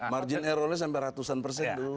margin errornya sampai ratusan persen